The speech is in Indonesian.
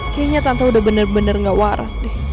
kayaknya tante udah bener bener gak waras deh